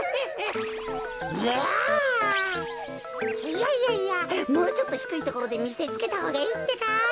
いやいやいやもうちょっとひくいところでみせつけたほうがいいってか。